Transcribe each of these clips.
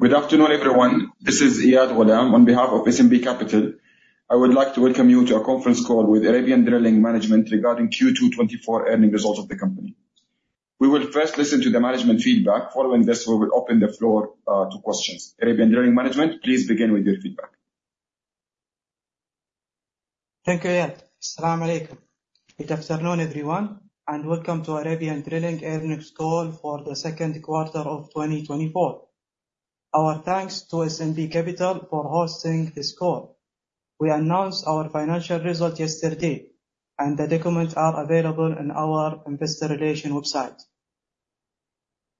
Good afternoon, everyone. This is Iyad Ghulam on behalf of SNB Capital. I would like to welcome you to our conference call with Arabian Drilling Management regarding Q2 2024 earnings results of the company. We will first listen to the management feedback. Following this, we will open the floor to questions. Arabian Drilling Management, please begin with your feedback. Thank you, Iyad. Assalamu Alaikum. Good afternoon, everyone, and welcome to Arabian Drilling Earnings Call for the second quarter of 2024. Our thanks to SNB Capital for hosting this call. We announced our financial results yesterday, and the documents are available on our investor relations website.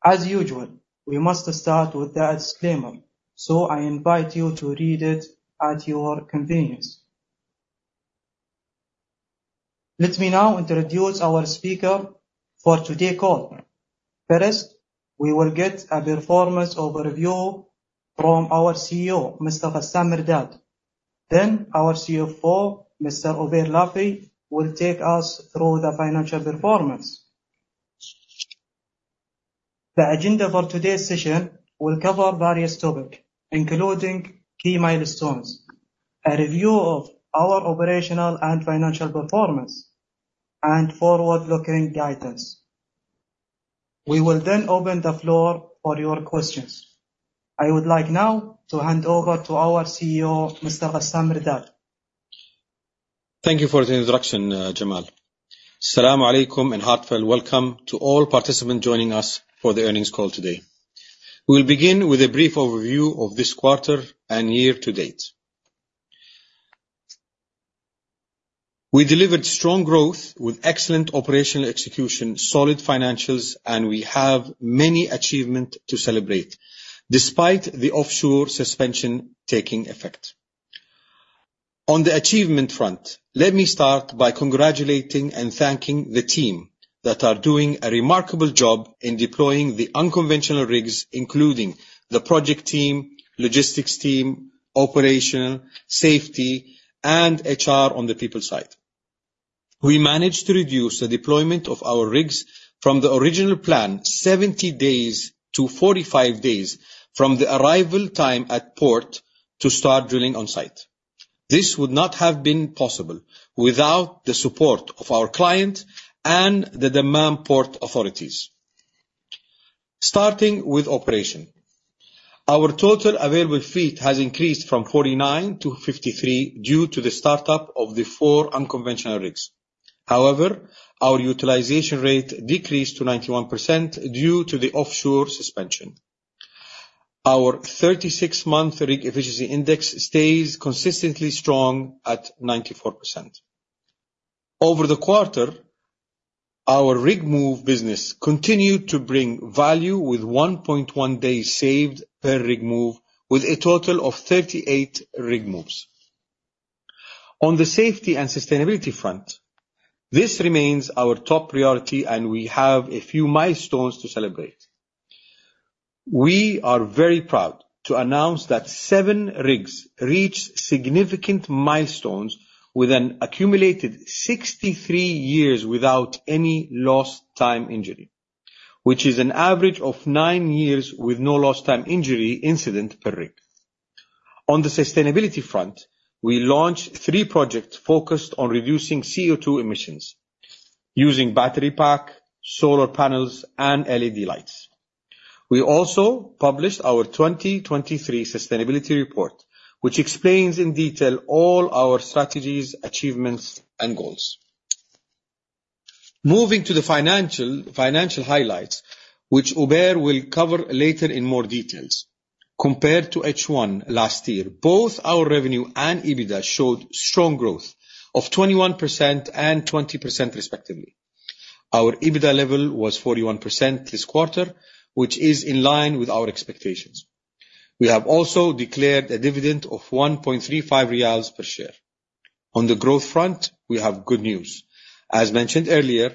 As usual, we must start with the disclaimer, so I invite you to read it at your convenience. Let me now introduce our speakers for today's call. First, we will get a performance overview from our CEO, Mr. Ghassan Mirdad. Then our CFO, Mr. Hubert Lafeuille, will take us through the financial performance. The agenda for today's session will cover various topics, including key milestones, a review of our operational and financial performance, and forward-looking guidance. We will then open the floor for your questions. I would like now to hand over to our CEO, Mr. Ghassan Mirdad. Thank you for the introduction, Jamal. Asalaamu Alaikum, and heartfelt welcome to all participants joining us for the earnings call today. We'll begin with a brief overview of this quarter and year to date. We delivered strong growth with excellent operational execution, solid financials, and we have many achievement to celebrate despite the offshore suspension taking effect. On the achievement front, let me start by congratulating and thanking the team that are doing a remarkable job in deploying the unconventional rigs, including the project team, logistics team, operational, safety, and HR on the people side. We managed to reduce the deployment of our rigs from the original plan, 70 days to 45 days, from the arrival time at port to start drilling on site. This would not have been possible without the support of our client and the Dammam Port authorities. Starting with operation. Our total available fleet has increased from 49 to 53 due to the startup of the four unconventional rigs. However, our utilization rate decreased to 91% due to the offshore suspension. Our 36-month Rig Efficiency Index stays consistently strong at 94%. Over the quarter, our rig move business continued to bring value with 1.1 day saved per rig move, with a total of 38 rig moves. On the safety and sustainability front, this remains our top priority, and we have a few milestones to celebrate. We are very proud to announce that seven rigs reached significant milestones with an accumulated 63 years without any lost time injury, which is an average of nine years with no lost time injury incident per rig. On the sustainability front, we launched three projects focused on reducing CO2 emissions using battery pack, solar panels, and LED lights. We also published our 2023 sustainability report, which explains in detail all our strategies, achievements, and goals. Moving to the financial highlights, which Hubert will cover later in more details. Compared to H1 last year, both our revenue and EBITDA showed strong growth of 21% and 20%, respectively. Our EBITDA level was 41% this quarter, which is in line with our expectations. We have also declared a dividend of 1.35 riyals per share. On the growth front, we have good news. As mentioned earlier,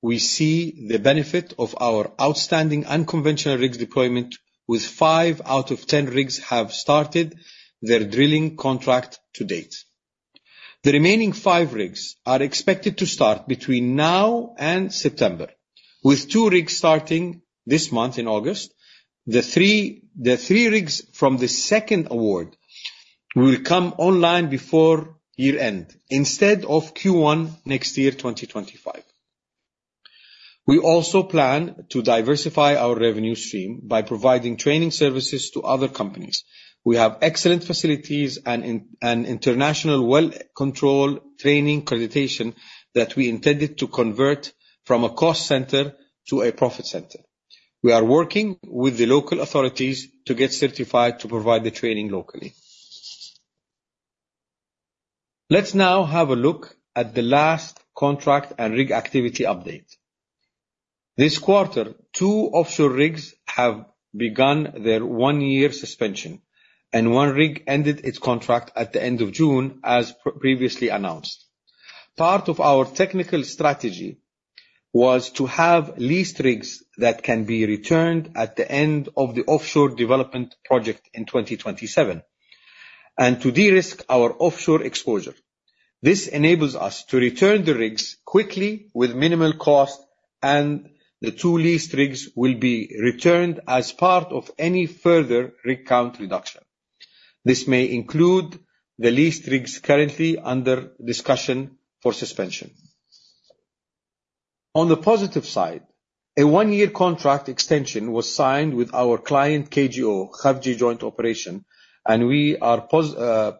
we see the benefit of our outstanding unconventional rigs deployment, with five out of 10 rigs have started their drilling contract to date. The remaining five rigs are expected to start between now and September, with two rigs starting this month in August. The three rigs from the second award will come online before year-end instead of Q1 next year, 2025. We also plan to diversify our revenue stream by providing training services to other companies. We have excellent facilities and international well control training accreditation that we intended to convert from a cost center to a profit center. We are working with the local authorities to get certified to provide the training locally. Let's now have a look at the last contract and rig activity update. This quarter, two offshore rigs have begun their one-year suspension, and one rig ended its contract at the end of June, as previously announced. Part of our technical strategy was to have leased rigs that can be returned at the end of the offshore development project in 2027 and to de-risk our offshore exposure.... This enables us to return the rigs quickly with minimal cost, and the 2 leased rigs will be returned as part of any further rig count reduction. This may include the leased rigs currently under discussion for suspension. On the positive side, a one-year contract extension was signed with our client, KJO, Al-Khafji Joint Operations, and we are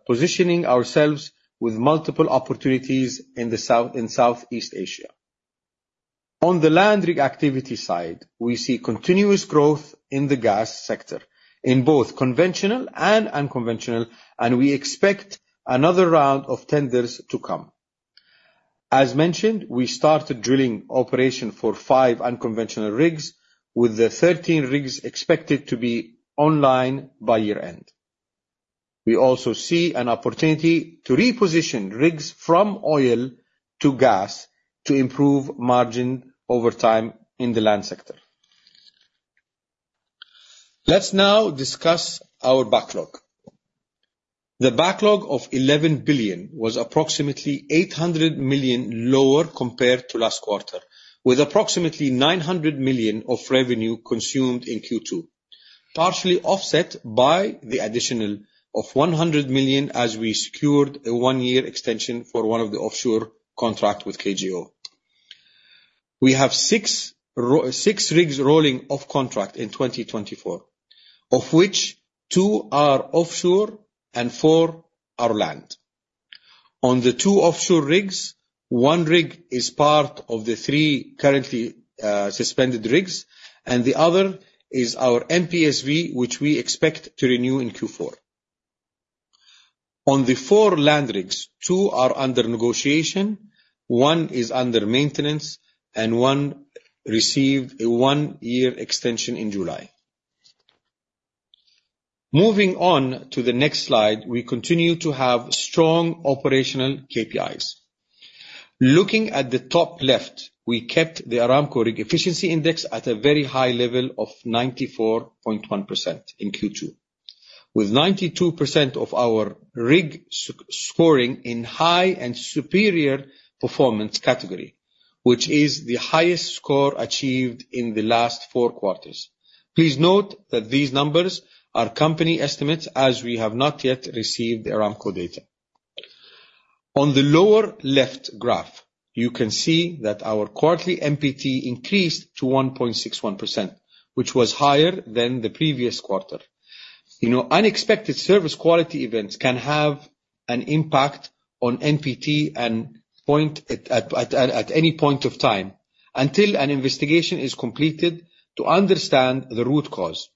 positioning ourselves with multiple opportunities in Southeast Asia. On the land rig activity side, we see continuous growth in the gas sector, in both conventional and unconventional, and we expect another round of tenders to come. As mentioned, we started drilling operation for 5 unconventional rigs, with the 13 rigs expected to be online by year-end. We also see an opportunity to reposition rigs from oil to gas to improve margin over time in the land sector. Let's now discuss our backlog. The backlog of 11 billion was approximately 800 million lower compared to last quarter, with approximately 900 million of revenue consumed in Q2, partially offset by the addition of 100 million as we secured a one-year extension for one of the offshore contracts with KJO. We have 6 rigs rolling off contract in 2024, of which 2 are offshore and 4 are land. On the 2 offshore rigs, 1 rig is part of the 3 currently suspended rigs, and the other is our MPSV, which we expect to renew in Q4. On the 4 land rigs, 2 are under negotiation, 1 is under maintenance, and 1 received a one-year extension in July. Moving on to the next slide, we continue to have strong operational KPIs. Looking at the top left, we kept the Aramco Rig Efficiency Index at a very high level of 94.1% in Q2, with 92% of our rigs scoring in high and superior performance category, which is the highest score achieved in the last four quarters. Please note that these numbers are company estimates, as we have not yet received the Aramco data. On the lower left graph, you can see that our quarterly NPT increased to 1.61%, which was higher than the previous quarter. You know, unexpected service quality events can have an impact on NPT and point at any point of time, until an investigation is completed to understand the root cause.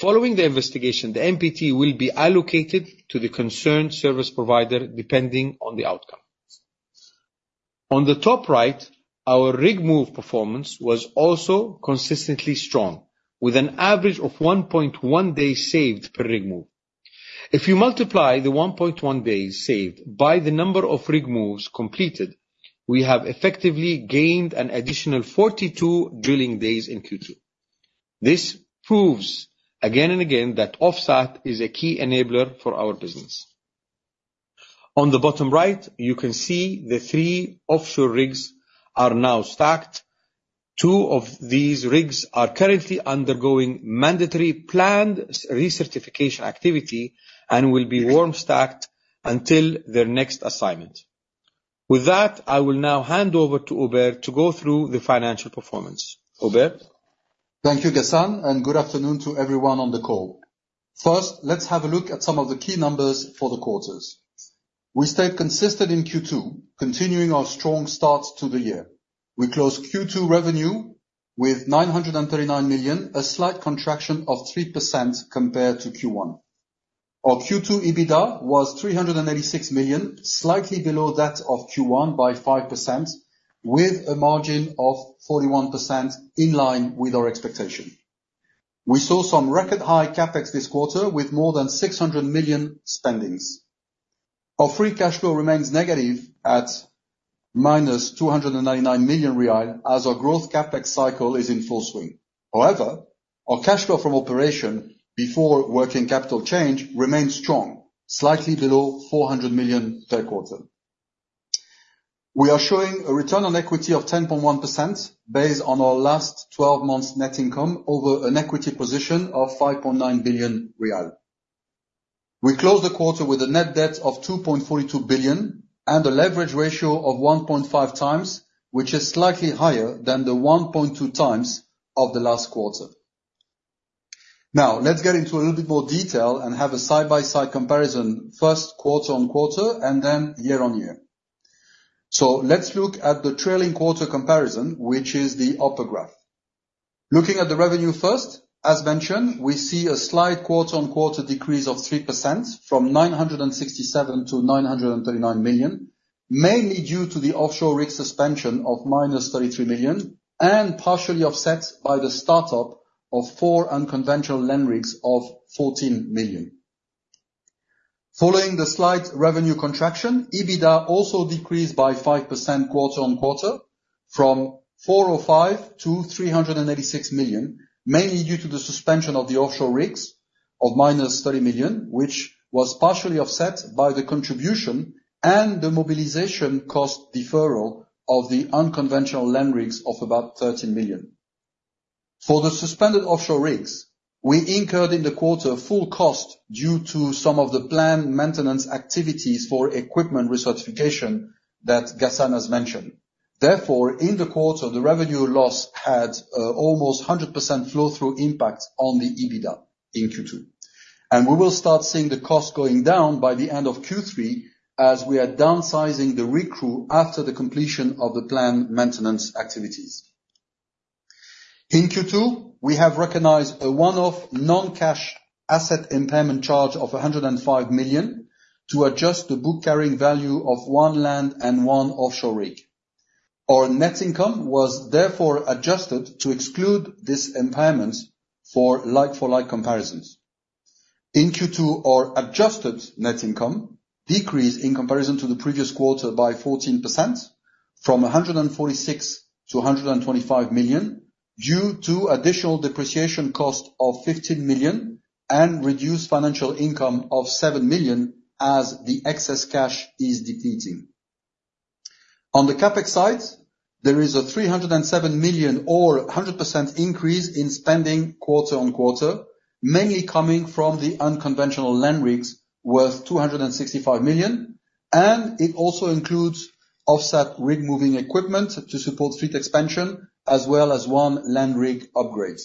Following the investigation, the NPT will be allocated to the concerned service provider, depending on the outcome. On the top right, our rig move performance was also consistently strong, with an average of 1.1 days saved per rig move. If you multiply the 1.1 days saved by the number of rig moves completed, we have effectively gained an additional 42 drilling days in Q2. This proves, again and again, that OFSAT is a key enabler for our business. On the bottom right, you can see the three offshore rigs are now stacked. Two of these rigs are currently undergoing mandatory planned recertification activity and will be warm stacked until their next assignment. With that, I will now hand over to Hubert to go through the financial performance. Hubert? Thank you, Ghassan, and good afternoon to everyone on the call. First, let's have a look at some of the key numbers for the quarters. We stayed consistent in Q2, continuing our strong start to the year. We closed Q2 revenue with 939 million, a slight contraction of 3% compared to Q1. Our Q2 EBITDA was 386 million, slightly below that of Q1 by 5%, with a margin of 41% in line with our expectation. We saw some record high CapEx this quarter, with more than 600 million spending. Our free cash flow remains negative at -SAR 299 million, as our growth CapEx cycle is in full swing. However, our cash flow from operation before working capital change remains strong, slightly below 400 million per quarter. We are showing a return on equity of 10.1% based on our last 12 months net income over an equity position of SAR 5.9 billion. We closed the quarter with a net debt of 2.42 billion and a leverage ratio of 1.5 times, which is slightly higher than the 1.2 times of the last quarter. Now, let's get into a little bit more detail and have a side-by-side comparison, first quarter-on-quarter and then year-on-year. So let's look at the trailing quarter comparison, which is the upper graph. Looking at the revenue first, as mentioned, we see a slight quarter-on-quarter decrease of 3% from 967 million to 939 million, mainly due to the offshore rig suspension of -33 million, and partially offset by the startup of four unconventional land rigs of 14 million. Following the slight revenue contraction, EBITDA also decreased by 5% quarter-on-quarter, from 405 million to 386 million, mainly due to the suspension of the offshore rigs of -30 million, which was partially offset by the contribution and the mobilization cost deferral of the unconventional land rigs of about 13 million. For the suspended offshore rigs, we incurred in the quarter full cost due to some of the planned maintenance activities for equipment recertification that Ghassan has mentioned. Therefore, in the quarter, the revenue loss had almost 100% flow-through impact on the EBITDA in Q2. We will start seeing the cost going down by the end of Q3 as we are downsizing the rig crew after the completion of the planned maintenance activities. In Q2, we have recognized a one-off non-cash asset impairment charge of 105 million to adjust the book carrying value of one land and one offshore rig. Our net income was therefore adjusted to exclude this impairment for like-for-like comparisons. In Q2, our adjusted net income decreased in comparison to the previous quarter by 14% from 146 million to 125 million, due to additional depreciation cost of 15 million and reduced financial income of 7 million as the excess cash is depleting. On the CapEx side, there is 307 million or 100% increase in spending quarter-on-quarter, mainly coming from the unconventional land rigs worth 265 million, and it also includes offshore rig moving equipment to support fleet expansion, as well as one land rig upgrades.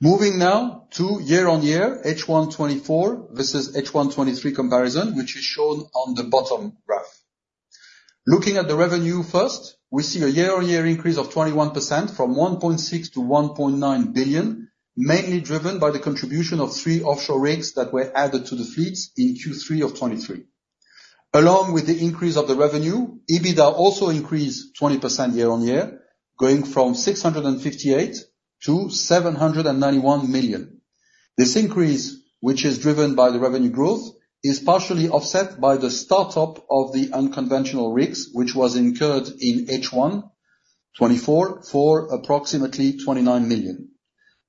Moving now to year-on-year, H1 2024 versus H1 2023 comparison, which is shown on the bottom graph. Looking at the revenue first, we see a year-on-year increase of 21% from 1.6 billion to 1.9 billion, mainly driven by the contribution of three offshore rigs that were added to the fleets in Q3 of 2023. Along with the increase of the revenue, EBITDA also increased 20% year-on-year, going from 658 million to 791 million. This increase, which is driven by the revenue growth, is partially offset by the start-up of the unconventional rigs, which was incurred in H1 2024 for approximately 29 million.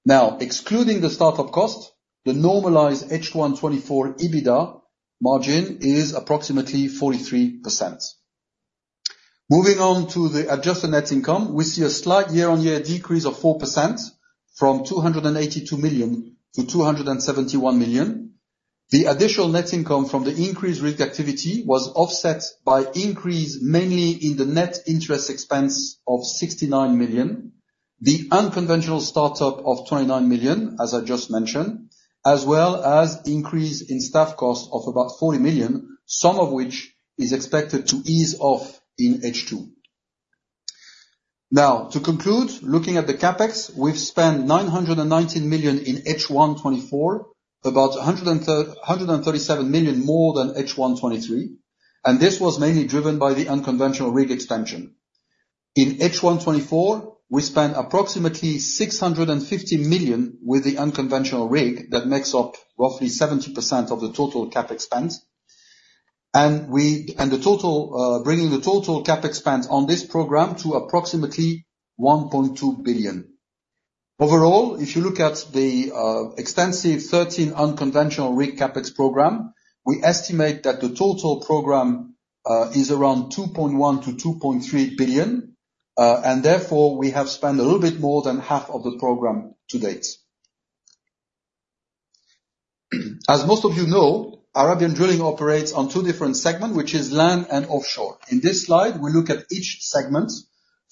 Now, excluding the start-up cost, the normalized H1 2024 EBITDA margin is approximately 43%. Moving on to the adjusted net income, we see a slight year-on-year decrease of 4% from 282 million to 271 million. The additional net income from the increased rig activity was offset by increase, mainly in the net interest expense of 69 million, the unconventional start-up of 29 million, as I just mentioned, as well as increase in staff costs of about 40 million, some of which is expected to ease off in H2. Now, to conclude, looking at the CapEx, we've spent 919 million in H1 2024, about 137 million more than H1 2023, and this was mainly driven by the unconventional rig expansion. In H1 2024, we spent approximately 650 million with the unconventional rig. That makes up roughly 70% of the total CapEx spend. And the total bringing the total CapEx spend on this program to approximately 1.2 billion. Overall, if you look at the extensive 13 unconventional rig CapEx program, we estimate that the total program is around 2.1 billion-2.3 billion, and therefore we have spent a little bit more than half of the program to date. As most of you know, Arabian Drilling operates on two different segment, which is land and offshore. In this slide, we look at each segment,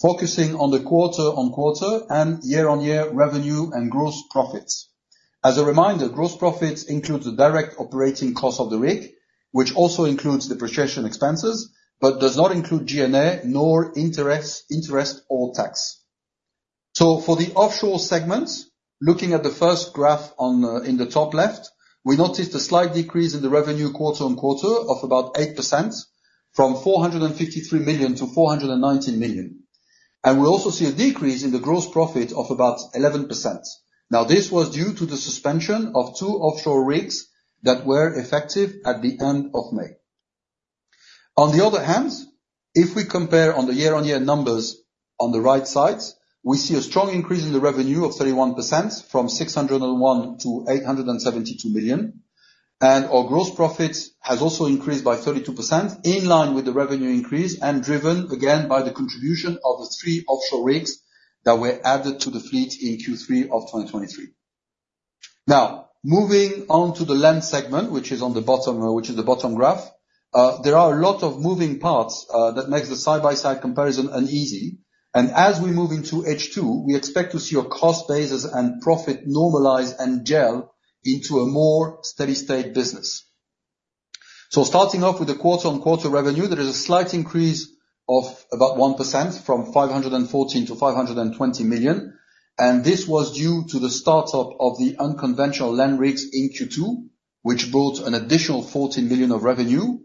focusing on the quarter-over-quarter and year-over-year revenue and gross profits. As a reminder, gross profits includes the direct operating cost of the rig, which also includes depreciation expenses, but does not include G&A nor interests, interest or tax. So for the offshore segments, looking at the first graph on in the top left, we noticed a slight decrease in the revenue quarter-over-quarter of about 8%, from 453 million to 490 million. We also see a decrease in the gross profit of about 11%. Now, this was due to the suspension of two offshore rigs that were effective at the end of May. On the other hand, if we compare on the year-on-year numbers on the right side, we see a strong increase in the revenue of 31%, from 601 million to 872 million, and our gross profit has also increased by 32%, in line with the revenue increase, and driven, again, by the contribution of the 3 offshore rigs that were added to the fleet in Q3 of 2023. Now, moving on to the land segment, which is on the bottom, which is the bottom graph. There are a lot of moving parts, that makes the side-by-side comparison uneasy, and as we move into H2, we expect to see our cost bases and profit normalize and gel into a more steady state business. So starting off with the quarter-on-quarter revenue, there is a slight increase of about 1% from 514 million to 520 million, and this was due to the start-up of the unconventional land rigs in Q2, which brought an additional 14 million of revenue,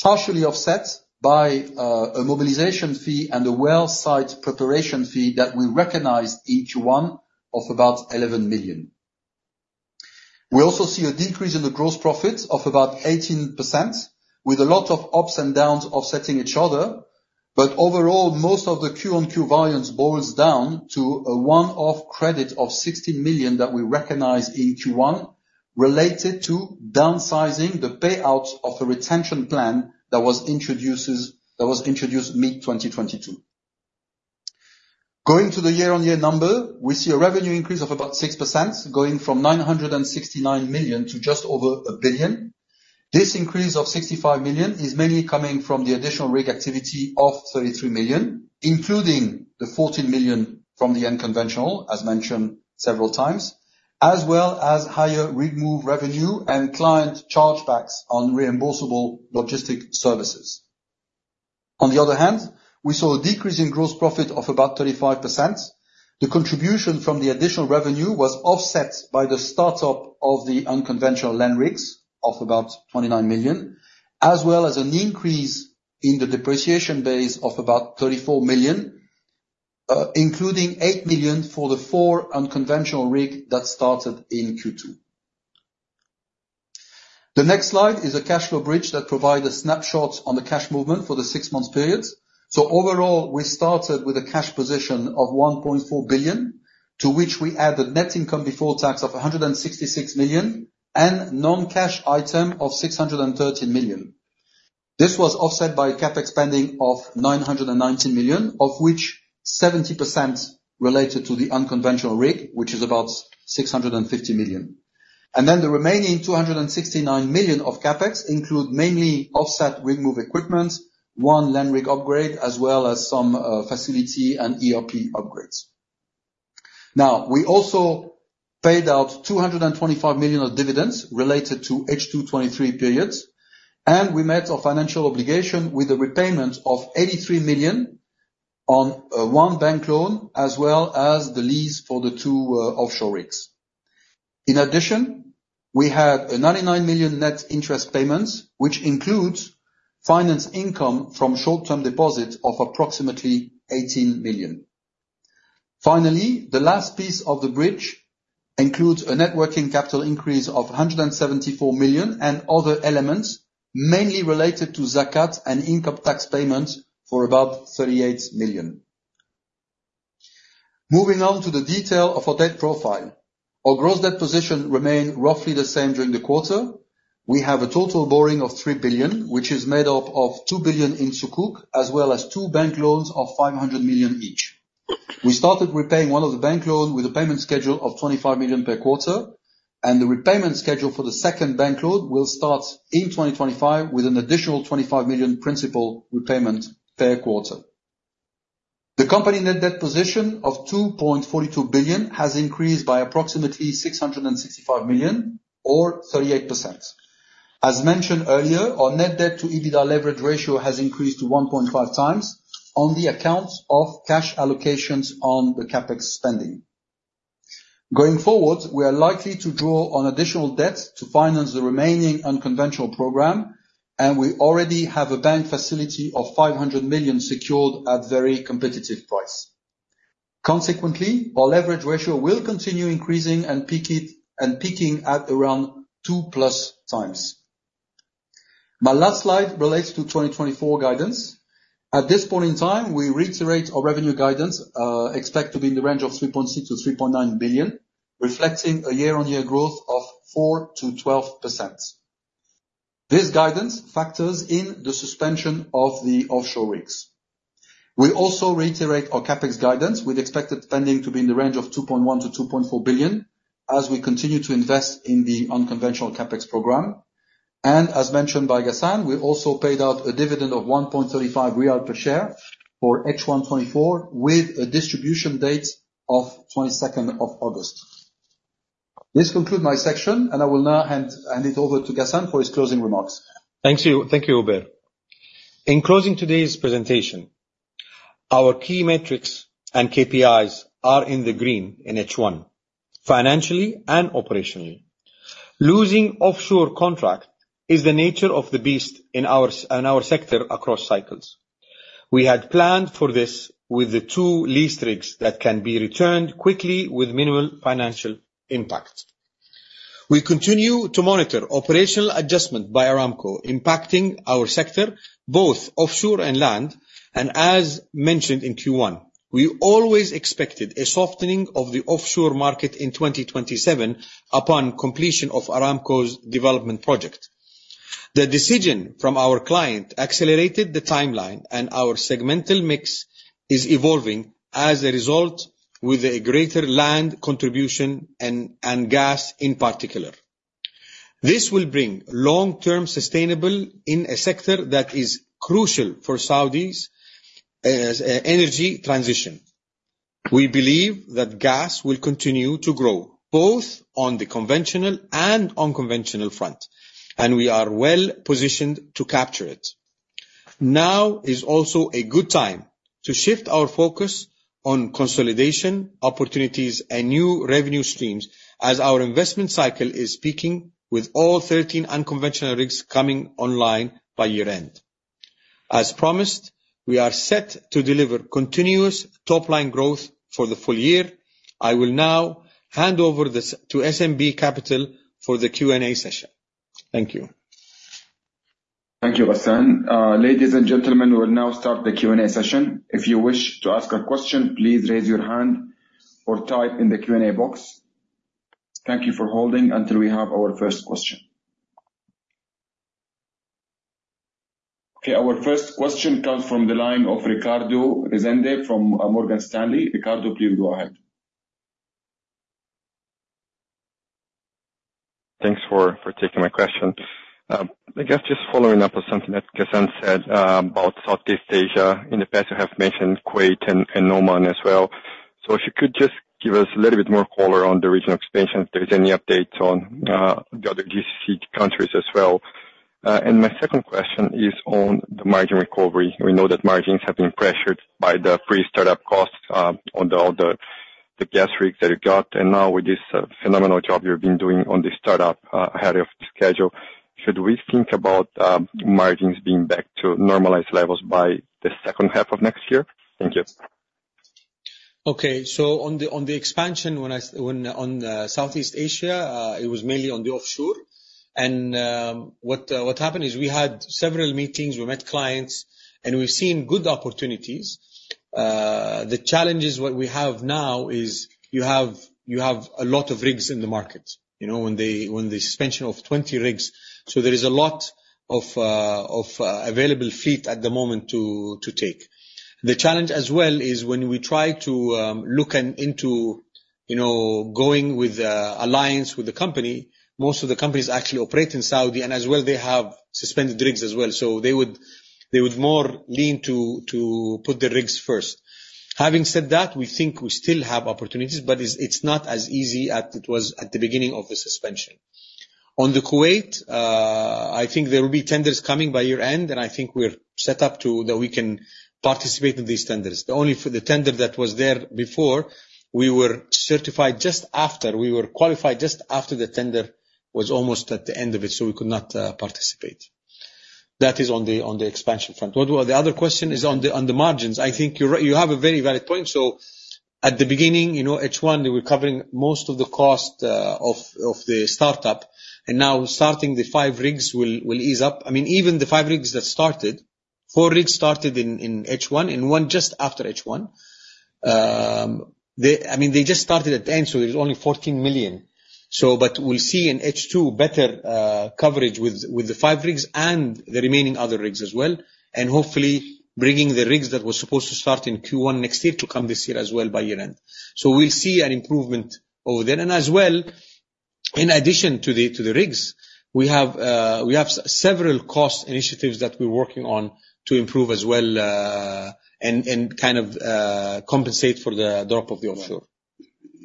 partially offset by a mobilization fee and a well site preparation fee that we recognized in Q1 of about 11 million. We also see a decrease in the gross profits of about 18%, with a lot of ups and downs offsetting each other. But overall, most of the Q-on-Q variance boils down to a one-off credit of 60 million that we recognized in Q1, related to downsizing the payout of a retention plan that was introduced mid-2022. Going to the year-on-year number, we see a revenue increase of about 6%, going from 969 million to just over 1 billion. This increase of 65 million is mainly coming from the additional rig activity of 33 million, including the 14 million from the unconventional, as mentioned several times, as well as higher rig move revenue and client chargebacks on reimbursable logistic services. On the other hand, we saw a decrease in gross profit of about 35%. The contribution from the additional revenue was offset by the start-up of the unconventional land rigs of about 29 million, as well as an increase in the depreciation base of about 34 million, including 8 million for the 4 unconventional rig that started in Q2. The next slide is a cash flow bridge that provides a snapshot on the cash movement for the six-month period. So overall, we started with a cash position of 1.4 billion, to which we added net income before tax of 166 million, and non-cash item of 613 million. This was offset by CapEx spending of 990 million, of which 70% related to the unconventional rig, which is about 650 million. And then the remaining 269 million of CapEx include mainly offshore rig move equipment, one land rig upgrade, as well as some facility and ERP upgrades. Now, we also paid out 225 million of dividends related to H2 2023 periods, and we met our financial obligation with a repayment of 83 million on one bank loan, as well as the lease for the two offshore rigs. In addition, we had 99 million net interest payments, which includes finance income from short-term deposits of approximately 18 million. Finally, the last piece of the bridge includes a net working capital increase of 174 million and other elements, mainly related to Zakat and income tax payments for about 38 million. Moving on to the detail of our debt profile. Our gross debt position remained roughly the same during the quarter. We have a total borrowing of 3 billion, which is made up of 2 billion in Sukuk, as well as two bank loans of 500 million each. We started repaying one of the bank loans with a payment schedule of 25 million per quarter, and the repayment schedule for the second bank loan will start in 2025, with an additional 25 million principal repayment per quarter. The company net debt position of 2.42 billion has increased by approximately 665 million or 38%. As mentioned earlier, our net debt to EBITDA leverage ratio has increased to 1.5 times on account of cash allocations on the CapEx spending. Going forward, we are likely to draw on additional debt to finance the remaining unconventional program, and we already have a bank facility of 500 million secured at very competitive price. Consequently, our leverage ratio will continue increasing and peaking at around 2+ times. My last slide relates to 2024 guidance. At this point in time, we reiterate our revenue guidance, expect to be in the range of 3.6 billion-3.9 billion, reflecting a year-on-year growth of 4%-12%. This guidance factors in the suspension of the offshore rigs. We also reiterate our CapEx guidance, with expected spending to be in the range of 2.1 billion-2.4 billion, as we continue to invest in the unconventional CapEx program. As mentioned by Ghassan, we've also paid out a dividend of SAR 1.35 per share for H1 2024, with a distribution date of the 22nd of August. This conclude my section, and I will now hand it over to Ghassan for his closing remarks. Thank you. Thank you, Hubert. In closing today's presentation, our key metrics and KPIs are in the green in H1, financially and operationally. Losing offshore contract is the nature of the beast in our sector across cycles. We had planned for this with the two lease rigs that can be returned quickly with minimal financial impact. We continue to monitor operational adjustment by Aramco, impacting our sector, both offshore and land. As mentioned in Q1, we always expected a softening of the offshore market in 2027 upon completion of Aramco's development project. The decision from our client accelerated the timeline, and our segmental mix is evolving as a result, with a greater land contribution and gas in particular. This will bring long-term sustainable in a sector that is crucial for Saudi's energy transition. We believe that gas will continue to grow, both on the conventional and unconventional front, and we are well-positioned to capture it. Now is also a good time to shift our focus on consolidation, opportunities, and new revenue streams, as our investment cycle is peaking with all 13 unconventional rigs coming online by year-end. As promised, we are set to deliver continuous top-line growth for the full year. I will now hand over this to SNB Capital for the Q&A session. Thank you. Thank you, Ghassan. Ladies and gentlemen, we will now start the Q&A session. If you wish to ask a question, please raise your hand or type in the Q&A box. Thank you for holding until we have our first question. Okay, our first question comes from the line of Ricardo Rezende from Morgan Stanley. Ricardo, please go ahead. Thanks for taking my question. I guess just following up on something that Ghassan said about Southeast Asia. In the past, you have mentioned Kuwait and Oman as well. So if you could just give us a little bit more color on the regional expansion, if there's any updates on the other GCC countries as well? And my second question is on the margin recovery. We know that margins have been pressured by the pre-startup costs on all the gas rigs that you got, and now with this phenomenal job you've been doing on the startup ahead of schedule, should we think about margins being back to normalized levels by the second half of next year? Thank you. Okay. So on the expansion, when on Southeast Asia, it was mainly on the offshore. And, what happened is we had several meetings, we met clients, and we've seen good opportunities. The challenges what we have now is you have, you have a lot of rigs in the market, you know, when they, when the suspension of 20 rigs. So there is a lot of available fleet at the moment to take. The challenge as well is when we try to look into, you know, going with a alliance with the company, most of the companies actually operate in Saudi, and as well they have suspended rigs as well. So they would more lean to put the rigs first. Having said that, we think we still have opportunities, but it's not as easy as it was at the beginning of the suspension. On the Kuwait, I think there will be tenders coming by year-end, and I think we're set up to... That we can participate in these tenders. The only tender that was there before, we were certified just after, we were qualified just after the tender was almost at the end of it, so we could not participate. That is on the expansion front. What was the other question? Is on the margins. I think you're right. You have a very valid point. So at the beginning, you know, H1, we were covering most of the cost of the startup, and now starting the five rigs will ease up. I mean, even the five rigs that started, four rigs started in H1 and one just after H1. I mean, they just started at the end, so it's only 14 million. So but we'll see in H2 better coverage with the five rigs and the remaining other rigs as well, and hopefully bringing the rigs that were supposed to start in Q1 next year to come this year as well by year-end. So we'll see an improvement over there. And as well, in addition to the rigs, we have several cost initiatives that we're working on to improve as well, and kind of compensate for the drop of the offshore.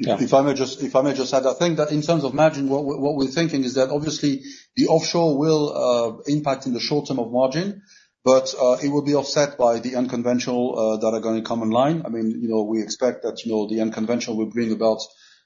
Yeah. If I may just, if I may just add, I think that in terms of margin, what we're, what we're thinking is that obviously the offshore will impact in the short term of margin, but it will be offset by the unconventional that are gonna come online. I mean, you know, we expect that, you know, the unconventional will bring about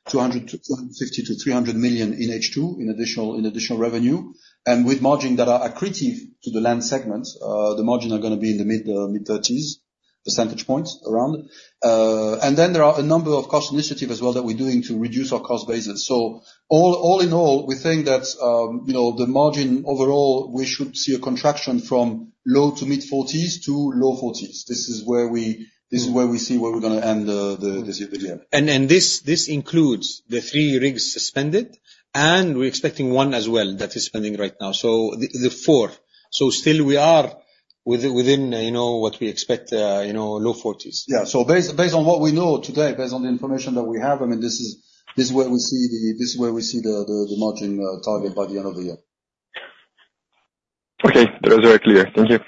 200 million to 250 million to 300 million in H2, in additional, in additional revenue. And with margin that are accretive to the land segment, the margin are gonna be in the mid-30s percentage points around. And then there are a number of cost initiative as well that we're doing to reduce our cost basis. So, all in all, we think that, you know, the margin overall, we should see a contraction from low- to mid-40s to low 40s. This is where we, this is where we see where we're gonna end the year. This includes the 3 rigs suspended, and we're expecting 1 as well, that is suspending right now. So the 4th. So still we are within, you know, what we expect, you know, low 40s. Yeah. So based on what we know today, based on the information that we have, I mean, this is where we see the margin target by the end of the year. Okay. That's very clear. Thank you.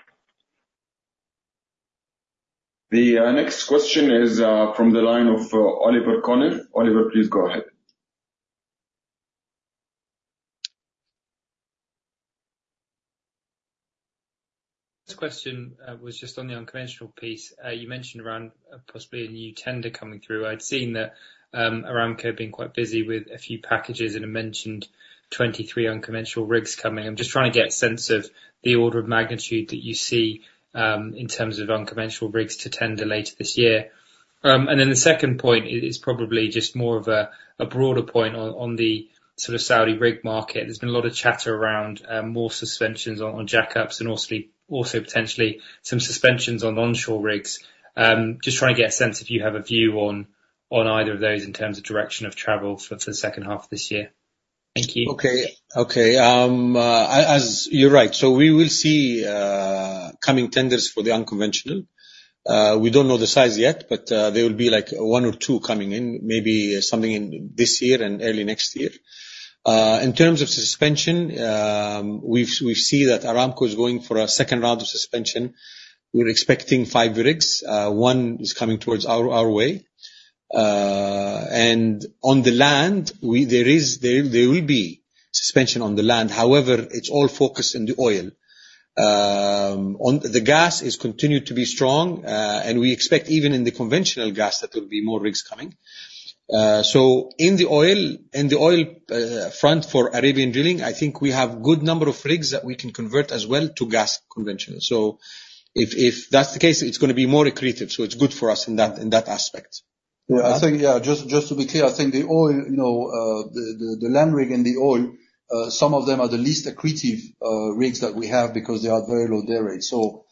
The next question is from the line of Oliver Connor. Oliver, please go ahead. This question was just on the unconventional piece. You mentioned around possibly a new tender coming through. I'd seen that, Aramco being quite busy with a few packages and have mentioned 23 unconventional rigs coming. I'm just trying to get a sense of the order of magnitude that you see in terms of unconventional rigs to tender later this year. And then the second point is probably just more of a broader point on the sort of Saudi rig market. There's been a lot of chatter around more suspensions on jackups and also potentially some suspensions on onshore rigs. Just trying to get a sense if you have a view on either of those in terms of direction of travel for the second half of this year. Thank you. Okay, okay. You're right. So we will see coming tenders for the unconventional. We don't know the size yet, but there will be like one or two coming in, maybe something in this year and early next year. In terms of suspension, we see that Aramco is going for a second round of suspension. We're expecting five rigs. One is coming towards our way. And on the land, there will be suspension on the land. However, it's all focused in the oil. On the gas is continued to be strong, and we expect even in the conventional gas, that there will be more rigs coming. So in the oil front for Arabian Drilling, I think we have good number of rigs that we can convert as well to gas conventional. So if that's the case, it's gonna be more accretive, so it's good for us in that aspect. Yeah, I think, yeah, just, just to be clear, I think the oil, you know, the land rig and the oil, some of them are the least accretive rigs that we have because they are very low day rates. So,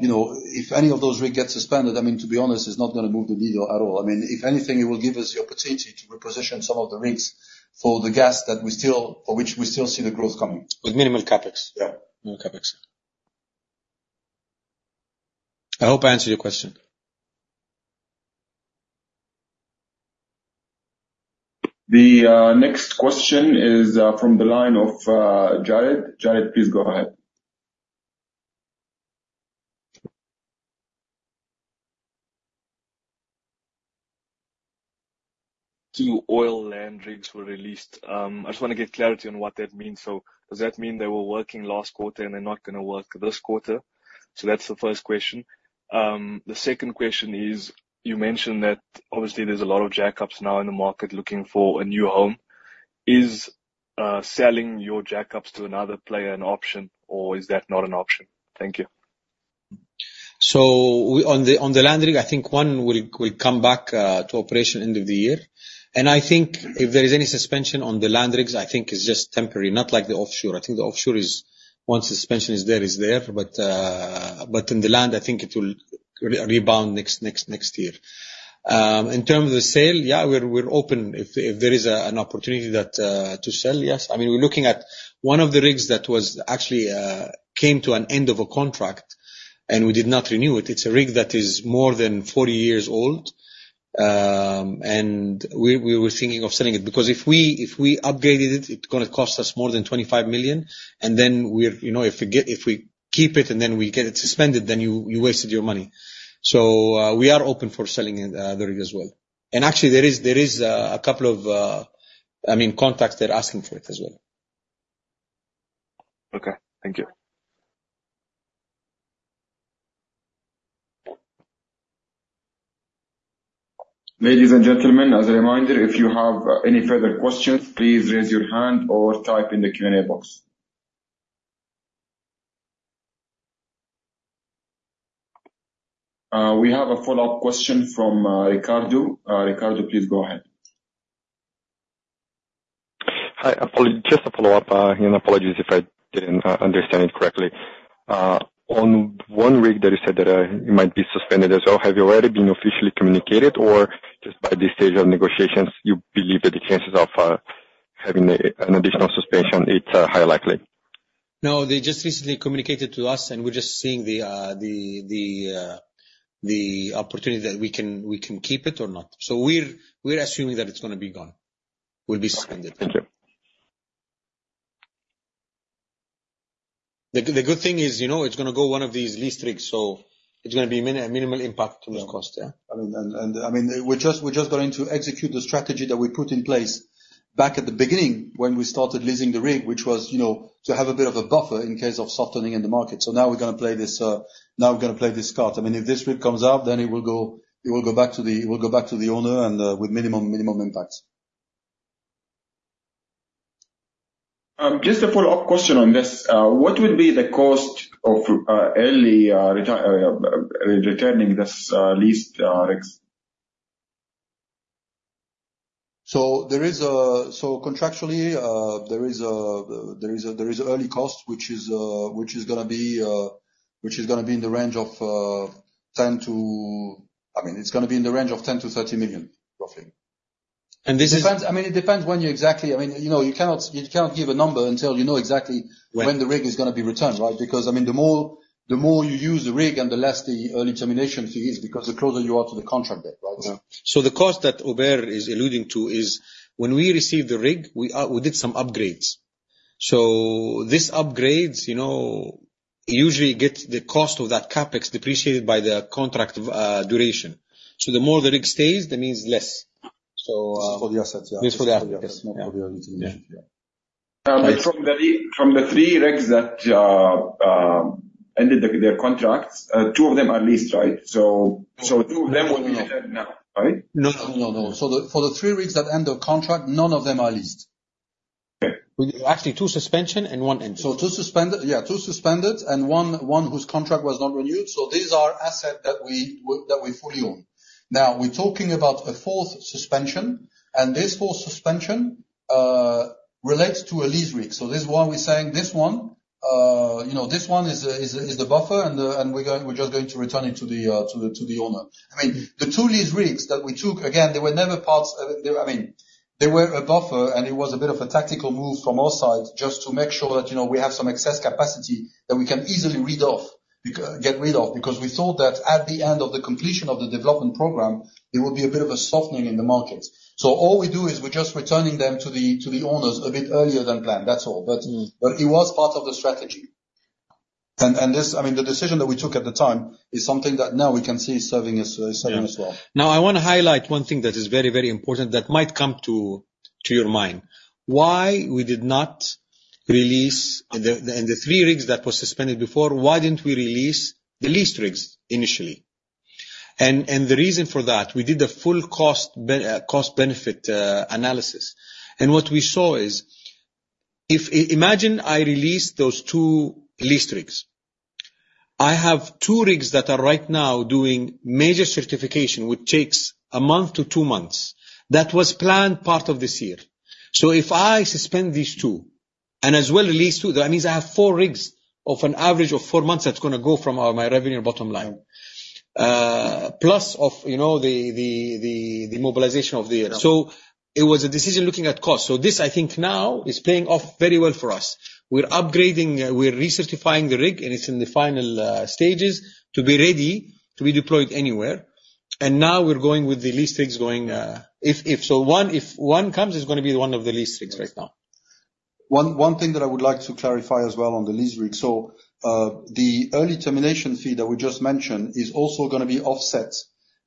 you know, if any of those rig gets suspended, I mean, to be honest, it's not gonna move the needle at all. I mean, if anything, it will give us the opportunity to reposition some of the rigs for the gas that we still... for which we still see the growth coming. With minimal CapEx. Yeah. Min CapEx. I hope I answered your question. The next question is from the line of Jared. Jared, please go ahead. Two oil land rigs were released. I just wanna get clarity on what that means. Does that mean they were working last quarter, and they're not gonna work this quarter? That's the first question. The second question is, you mentioned that obviously there's a lot of jackups now in the market looking for a new home. Is selling your jackups to another player an option, or is that not an option? Thank you. So, on the land rig, I think one will come back to operation end of the year. I think if there is any suspension on the land rigs, I think it's just temporary, not like the offshore. I think the offshore is, once suspension is there, it's there, but in the land, I think it will rebound next year. In terms of the sale, yeah, we're open. If there is an opportunity to sell, yes. I mean, we're looking at one of the rigs that actually came to an end of a contract, and we did not renew it. It's a rig that is more than 40 years old, and we were thinking of selling it. Because if we upgraded it, it's gonna cost us more than 25 million, and then we're, you know, if we get—if we keep it and then we get it suspended, then you wasted your money. So, we are open for selling it, the rig as well. And actually, there is a couple of, I mean, contacts they're asking for it as well. Okay, thank you. Ladies and gentlemen, as a reminder, if you have any further questions, please raise your hand or type in the Q&A box. We have a follow-up question from Ricardo. Ricardo, please go ahead. Hi, just a follow-up, and apologies if I didn't understand it correctly. On one rig that you said that it might be suspended as well, have you already been officially communicated, or just by this stage of negotiations, you believe that the chances of having an additional suspension, it's highly likely? No, they just recently communicated to us, and we're just seeing the opportunity that we can keep it or not. So we're assuming that it's gonna be gone, will be suspended. Thank you. The good thing is, you know, it's gonna go one of these leased rigs, so it's gonna be a minimal impact to the cost, yeah. I mean, we're just going to execute the strategy that we put in place back at the beginning when we started leasing the rig, which was, you know, to have a bit of a buffer in case of softening in the market. So now we're gonna play this card. I mean, if this rig comes up, then it will go back to the owner and with minimum impact. Just a follow-up question on this. What would be the cost of early returning this leased rigs? Contractually, there is early cost, which is gonna be—I mean, it's gonna be in the range of 10 million-30 million, roughly. And this is- It depends, I mean, it depends when you exactly... I mean, you know, you cannot, you cannot give a number until you know exactly- Right... when the rig is gonna be returned, right? Because, I mean, the more, the more you use the rig, and the less the early termination fee is, because the closer you are to the contract date, right? So the cost that Hubert is alluding to is, when we received the rig, we did some upgrades. So these upgrades, you know, usually get the cost of that CapEx depreciated by the contract duration. So the more the rig stays, that means less, so It's for the assets, yeah. It's for the assets, yeah. More for the utilization, yeah. But from the three rigs that ended their contracts, two of them are leased, right? So two of them will be ended now, right? No, no, no. So, for the three rigs that end the contract, none of them are leased. Okay. Actually, two suspension and one ended. So two suspended, yeah, two suspended and one, one whose contract was not renewed, so these are assets that we fully own. Now, we're talking about a fourth suspension, and this fourth suspension relates to a lease rig. So this is why we're saying this one, you know, this one is the buffer, and we're just going to return it to the owner. I mean, the two lease rigs that we took, again, they were never part of... They were, I mean, they were a buffer, and it was a bit of a tactical move from our side just to make sure that, you know, we have some excess capacity that we can easily get rid of. Because we thought that at the end of the completion of the development program, there would be a bit of a softening in the market. So all we do is we're just returning them to the, to the owners a bit earlier than planned. That's all. Mm. But it was part of the strategy. And, and this, I mean, the decision that we took at the time, is something that now we can see serving us. Yeah... serving us well. Now, I wanna highlight one thing that is very, very important, that might come to your mind. Why we did not release and the three rigs that was suspended before, why didn't we release the leased rigs initially? And the reason for that, we did the full cost-benefit analysis. And what we saw is, if imagine I released those two leased rigs. I have two rigs that are right now doing major certification, which takes a month to two months. That was planned part of this year. So if I suspend these two, and as well lease two, that means I have four rigs of an average of four months that's gonna go from my revenue bottom line. Plus, you know, the mobilization of the year. So it was a decision looking at cost. So this, I think now is paying off very well for us. We're upgrading, we're recertifying the rig, and it's in the final stages to be ready to be deployed anywhere. And now we're going with the leased rigs going. If one comes, it's gonna be one of the leased rigs right now. One thing that I would like to clarify as well on the leased rig. So, the early termination fee that we just mentioned is also gonna be offset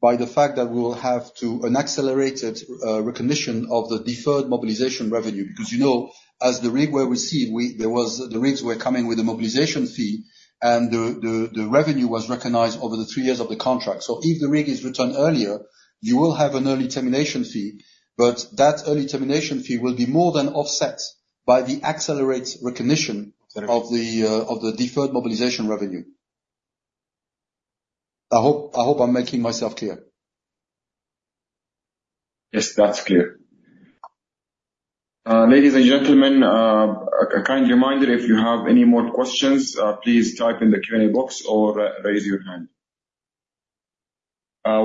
by the fact that we will have to an accelerated recognition of the deferred mobilization revenue. Because, you know, as the rig where we see, there was... The rigs were coming with a mobilization fee, and the revenue was recognized over the three years of the contract. So if the rig is returned earlier, you will have an early termination fee, but that early termination fee will be more than offset by the accelerated recognition- Correct... of the, of the deferred mobilization revenue. I hope, I hope I'm making myself clear. Yes, that's clear. Ladies and gentlemen, a kind reminder, if you have any more questions, please type in the Q&A box or raise your hand.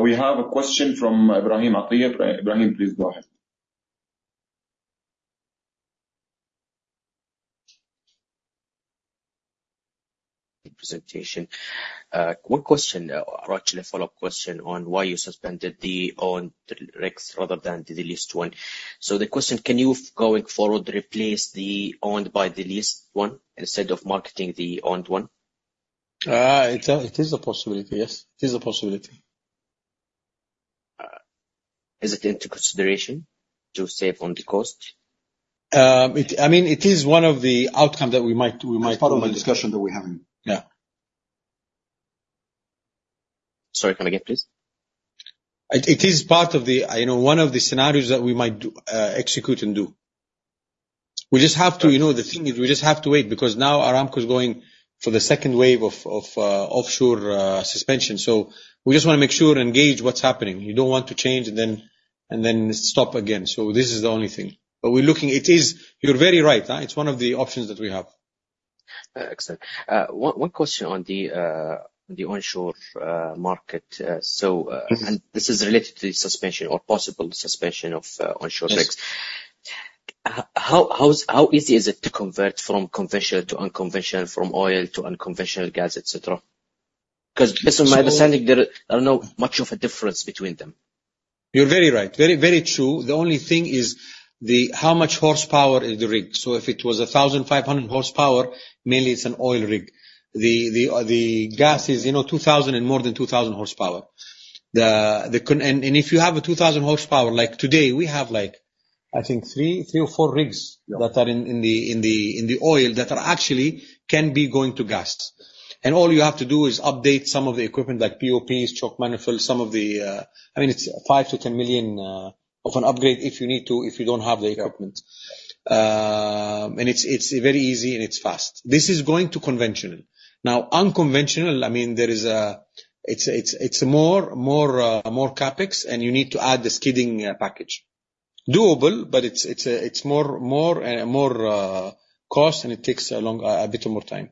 We have a question from Ibrahim Atya. Ibrahim, please go ahead. Presentation. One question, or actually a follow-up question on why you suspended the owned rigs rather than the leased one. So the question, can you, going forward, replace the owned by the leased one instead of marketing the owned one? It's a, it is a possibility, yes. It is a possibility. Is it into consideration to save on the cost? I mean, it is one of the outcome that we might. It's part of the discussion that we're having. Yeah. Sorry, come again, please. It is part of the, you know, one of the scenarios that we might do, execute and do. We just have to, you know, the thing is, we just have to wait, because now Aramco is going for the second wave of offshore suspension. So we just wanna make sure and gauge what's happening. You don't want to change and then stop again. So this is the only thing. But we're looking... It is— You're very right, it's one of the options that we have. Excellent. One question on the onshore market. So- Mm-hmm. and this is related to the suspension or possible suspension of onshore rigs. Yes. How easy is it to convert from conventional to unconventional, from oil to unconventional gas, et cetera? 'Cause based on my understanding, there is not much of a difference between them. You're very right. Very, very true. The only thing is the... How much horsepower is the rig? So if it was 1,500 horsepower, mainly it's an oil rig. The gas is, you know, 2,000 and more than 2,000 horsepower. And if you have 2,000 horsepower, like today, we have like, I think three or four rigs- Yeah... that are in the oil that actually can be going to gas. And all you have to do is update some of the equipment like BOPs, choke manifold. I mean, it's 5 million-10 million of an upgrade if you need to, if you don't have the equipment. And it's very easy and it's fast. This is going to conventional. Now, unconventional, I mean, there is a. It's more CapEx, and you need to add the skidding package. Doable, but it's more cost, and it takes a bit more time.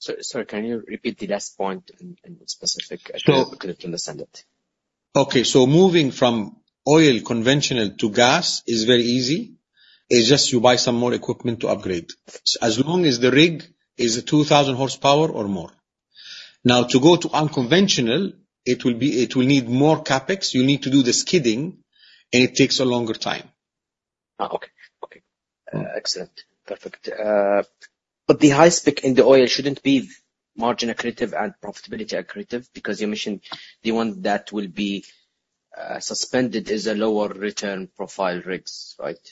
Sorry, can you repeat the last point in specific? Sure. I couldn't understand it. Okay. So moving from oil conventional to gas is very easy. It's just you buy some more equipment to upgrade. As long as the rig is a 2,000 horsepower or more. Now, to go to unconventional, it will need more CapEx. You need to do the skidding, and it takes a longer time. Okay. Okay. Excellent. Perfect. But the high spec in the oil shouldn't be margin accretive and profitability accretive, because you mentioned the one that will be suspended is a lower return profile rigs, right?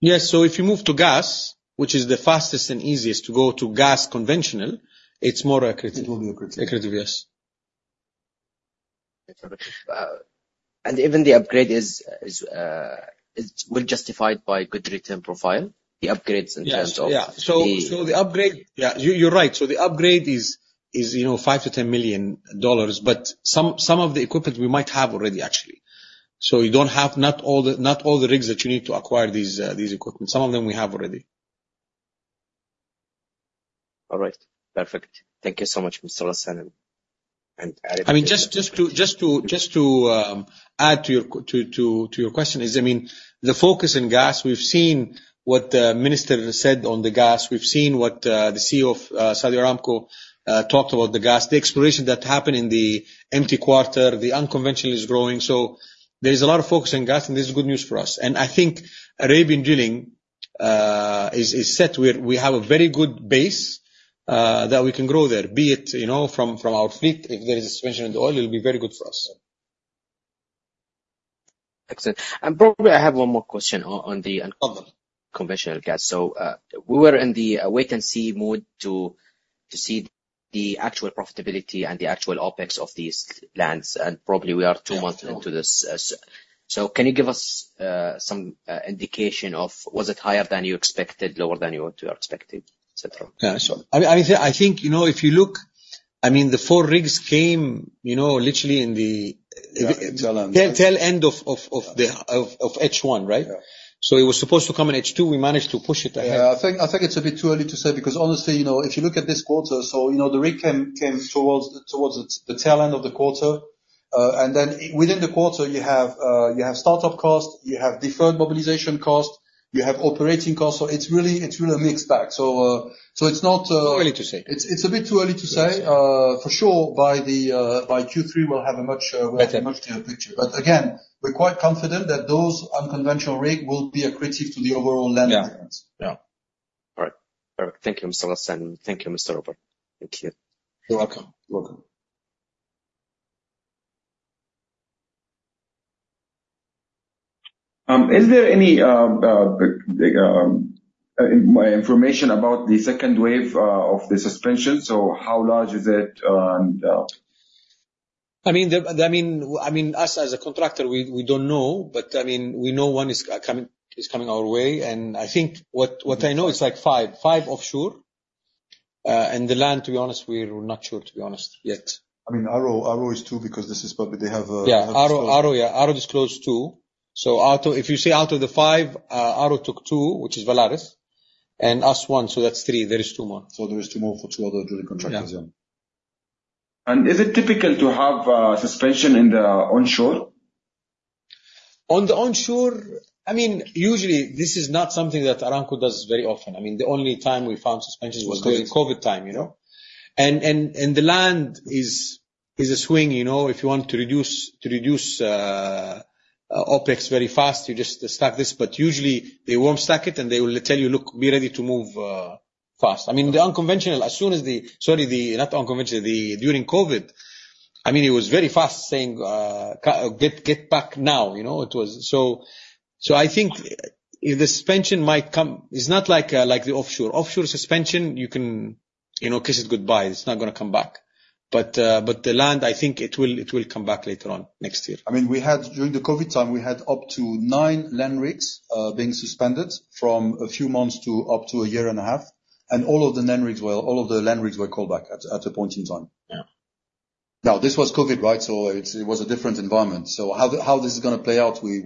Yes. So if you move to gas, which is the fastest and easiest to go to conventional gas, it's more accretive. It will be accretive. Accretive, yes. And even the upgrade is well justified by good return profile, the upgrades in terms of the- Yes. Yeah. So the upgrade... Yeah, you're right. So the upgrade is, you know, $5-$10 million, but some of the equipment we might have already, actually. So you don't have... Not all the rigs that you need to acquire these equipment. Some of them we have already. All right. Perfect. Thank you so much, Mr. Mirdad. And- I mean, just to add to your question, I mean, the focus in gas, we've seen what the minister has said on the gas. We've seen what the CEO of Saudi Aramco talked about the gas. The exploration that happened in the Empty Quarter, the unconventional is growing. So there's a lot of focus on gas, and this is good news for us. And I think Arabian Drilling is set where we have a very good base that we can grow there. Be it, you know, from our fleet, if there is a suspension in the oil, it'll be very good for us.... Excellent. And probably I have one more question on the unconventional gas. So, we were in the wait and see mode to see the actual profitability and the actual OpEx of these lands, and probably we are two months into this, so can you give us some indication of was it higher than you expected, lower than you were expected, et cetera? Yeah. I think, you know, if you look, I mean, the four rigs came, you know, literally in the- Yeah, tail end. Tail end of the H1, right? Yeah. It was supposed to come in H2. We managed to push it ahead. Yeah, I think, I think it's a bit too early to say, because honestly, you know, if you look at this quarter, so you know, the rig came towards the tail end of the quarter. And then within the quarter, you have, you have start-up costs, you have deferred mobilization costs, you have operating costs. So it's really, it's really a mixed bag. So, so it's not, Too early to say. It's a bit too early to say. Too early to say. For sure, by Q3, we'll have a much Better... we'll have a much clearer picture. But again, we're quite confident that those unconventional rig will be accretive to the overall land in advance. Yeah. Yeah. All right. Perfect. Thank you, Mr. Ghassan. Thank you, Mr. Hubert. Thank you. You're welcome. You're welcome. Is there any information about the second wave of the suspension? So how large is it, and... I mean, us as a contractor, we don't know, but I mean, we know one is coming our way. And I think what I know, it's like five offshore. And the land, to be honest, we're not sure, to be honest, yet. I mean, ARO, ARO is two because this is probably they have, Yeah. ARO, ARO, yeah. ARO disclosed two. So out of the five, if you see out of the five, ARO took two, which is Valaris, and us, one, so that's three. There is two more. There is two more for two other drilling contractors. Yeah. Is it typical to have suspension in the onshore? On the onshore, I mean, usually this is not something that Aramco does very often. I mean, the only time we found suspensions was- During-... COVID time, you know? And the land is a swing, you know, if you want to reduce OpEx very fast, you just stack this. But usually they won't stack it, and they will tell you, "Look, be ready to move fast." I mean, the unconventional, as soon as the. Sorry, not unconventional, during COVID, I mean, it was very fast, saying, "Get back now," you know? So I think the suspension might come. It's not like the offshore. Offshore suspension, you can kiss it goodbye. It's not gonna come back. But the land, I think it will come back later on next year. I mean, we had, during the COVID time, we had up to nine land rigs being suspended from a few months to up to a year and a half, and all of the land rigs were called back at a point in time. Yeah. Now, this was COVID, right? So it was a different environment. So how this is gonna play out, we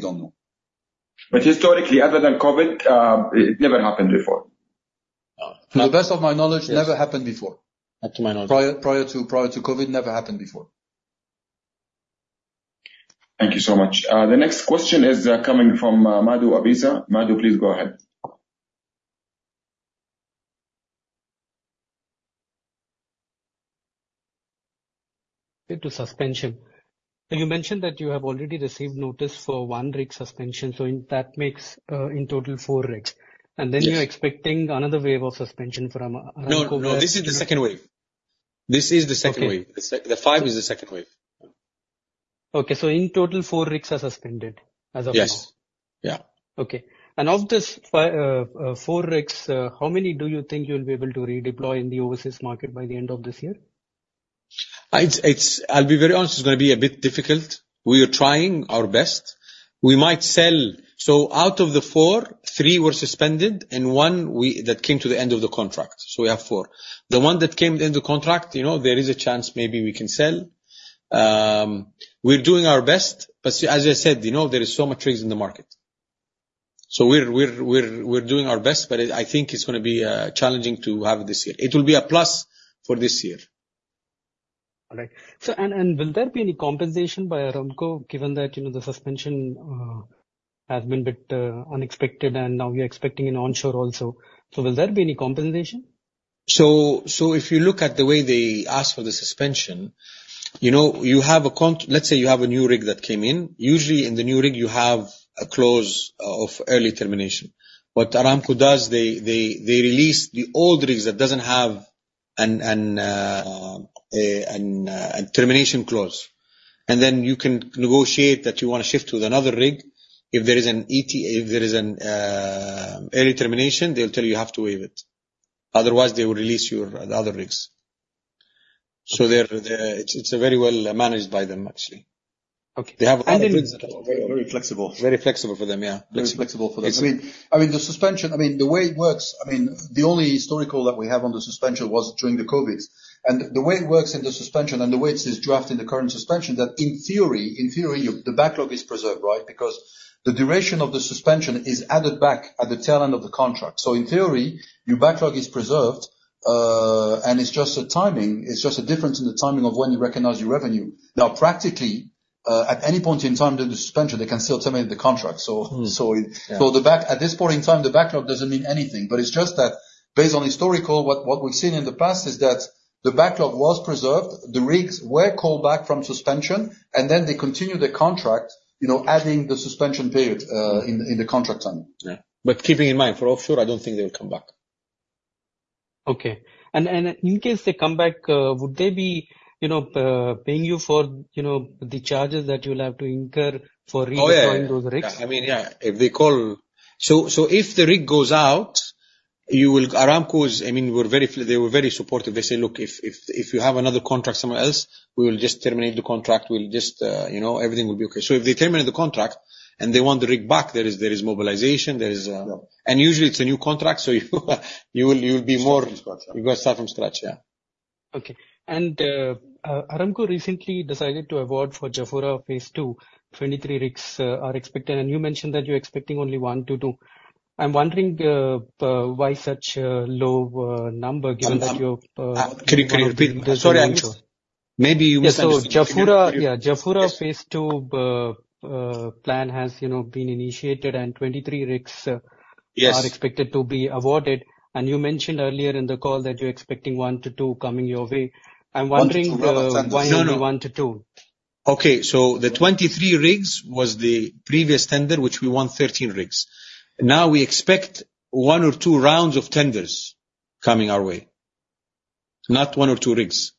don't know. But historically, other than COVID, it never happened before. To the best of my knowledge. Yes... never happened before. Up to my knowledge. Prior to COVID, never happened before. Thank you so much. The next question is coming from Madhu Appissa. Madhu, please go ahead.... to suspension. So you mentioned that you have already received notice for one rig suspension, so in that makes in total four rigs. Yes. Then you're expecting another wave of suspension from Aramco. No, no. This is the second wave. This is the second wave. Okay. The the five is the second wave. Okay. So in total, four rigs are suspended as of now? Yes. Yeah. Okay. And of this 4 rigs, how many do you think you'll be able to redeploy in the overseas market by the end of this year? It's gonna be a bit difficult. I'll be very honest. We are trying our best. We might sell. So out of the 4, 3 were suspended, and one we, that came to the end of the contract. So we have 4. The one that came in the contract, you know, there is a chance maybe we can sell. We're doing our best, but as I said, you know, there is so much rigs in the market. So we're doing our best, but it, I think it's gonna be challenging to have this year. It will be a plus for this year. All right. So, will there be any compensation by Aramco, given that, you know, the suspension has been a bit unexpected, and now we are expecting it onshore also? So, will there be any compensation? So, if you look at the way they ask for the suspension, you know, you have – let's say you have a new rig that came in. Usually, in the new rig, you have a clause of early termination. What Aramco does, they release the old rigs that doesn't have a termination clause. And then you can negotiate that you wanna shift to another rig. If there is an ETA, if there is an early termination, they'll tell you, you have to waive it. Otherwise, they will release your other rigs. So they're, it's a very well managed by them, actually. Okay. They have- Very, very flexible. Very flexible for them, yeah. Very flexible for them. I mean, I mean, the suspension, I mean, the way it works, I mean, the only historical that we have on the suspension was during the COVID. And the way it works in the suspension, and the way it is drafted in the current suspension, that in theory, in theory, your, the backlog is preserved, right? Because the duration of the suspension is added back at the tail end of the contract. So in theory, your backlog is preserved, and it's just the timing. It's just a difference in the timing of when you recognize your revenue. Now, practically, at any point in time during the suspension, they can still terminate the contract. Mm-hmm. So, so- Yeah... so at this point in time, the backlog doesn't mean anything. But it's just that based on historical, what we've seen in the past is that the backlog was preserved, the rigs were called back from suspension, and then they continued the contract, you know, adding the suspension period in the contract time. Yeah. But keeping in mind, for offshore, I don't think they will come back.... Okay. And in case they come back, would they be, you know, paying you for, you know, the charges that you'll have to incur for- Oh, yeah redelivering those rigs? I mean, yeah, if they call... So, if the rig goes out, you will—Aramco is, I mean, we're very flexible—they were very supportive. They say: "Look, if, if, if you have another contract somewhere else, we will just terminate the contract. We'll just, you know, everything will be okay." So if they terminate the contract, and they want the rig back, there is, there is mobilization, there is. Yeah. Usually it's a new contract, so you'll be more- Start from scratch. You've got to start from scratch, yeah. Okay. And, Aramco recently decided to award for Jafurah Phase Two, 23 rigs are expected, and you mentioned that you're expecting only 1-2. I'm wondering why such a low number, given that you're- Can you... Sorry, I'm maybe you- Yeah, so Jafurah, yeah, Jafurah Phase Two, plan has, you know, been initiated, and 23 rigs- Yes are expected to be awarded. And you mentioned earlier in the call that you're expecting 1-2 coming your way. I'm wondering, No, no. 1 to 2. Okay. So the 23 rigs was the previous tender, which we won 13 rigs. Now we expect 1 or 2 rounds of tenders coming our way, not 1 or 2 rigs.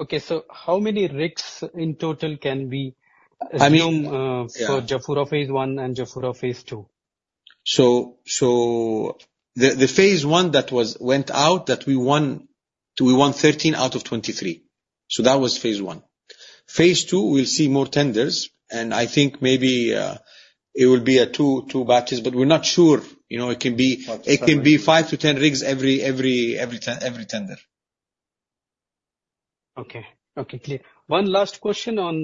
Okay, so how many rigs in total can be- I mean- for Jafurah Phase One and Jafurah Phase Two? So, the Phase One that was went out, that we won, we won 13 out of 23. So that was Phase One. Phase two, we'll see more tenders, and I think maybe it will be two batches, but we're not sure. You know, it can be- Uh... It can be 5-10 rigs every ten tenders. Okay. Okay, clear. One last question on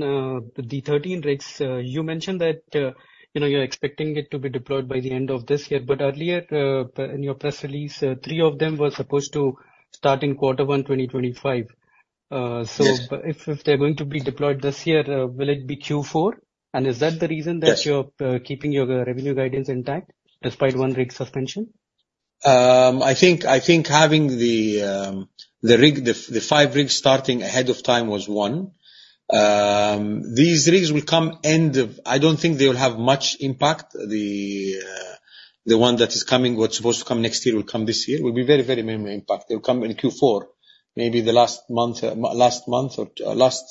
the 13 rigs. You mentioned that, you know, you're expecting it to be deployed by the end of this year, but earlier in your press release, three of them were supposed to start in quarter one, 2025. So- Yes... if they're going to be deployed this year, will it be Q4? And is that the reason that- Yes... you're keeping your revenue guidance intact despite one rig suspension? I think having the five rigs starting ahead of time was one. These rigs will come end of... I don't think they will have much impact. The one that is coming, what's supposed to come next year, will come this year, will be very, very minimal impact. They'll come in Q4, maybe the last month, last month or last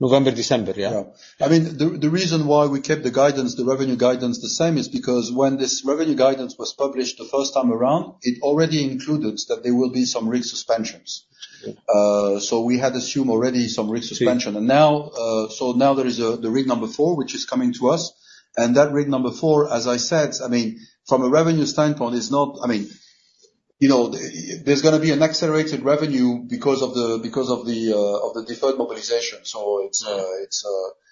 November, December. Yeah. I mean, the reason why we kept the guidance, the revenue guidance, the same is because when this revenue guidance was published the first time around, it already included that there will be some rig suspensions. Yeah. So we had assumed already some rig suspension. Yeah. And now, so now there is the rig number 4, which is coming to us, and that rig number 4, as I said, I mean, from a revenue standpoint, it's not... I mean, you know, there's gonna be an accelerated revenue because of the deferred mobilization. So it's...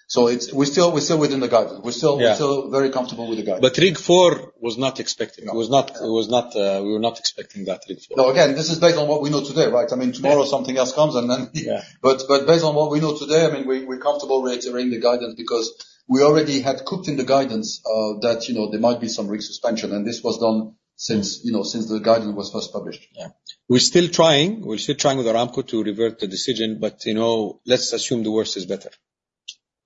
So it's, we're still, we're still within the guidance. Yeah. We're still very comfortable with the guidance. But rig four was not expected. It was not, it was not, we were not expecting that rig four. No, again, this is based on what we know today, right? I mean, tomorrow, something else comes, and then... Yeah. but based on what we know today, I mean, we, we're comfortable reiterating the guidance because we already had cooked in the guidance, that, you know, there might be some rig suspension, and this was done since, you know, since the guidance was first published. Yeah. We're still trying, we're still trying with Aramco to revert the decision, but, you know, let's assume the worst is better.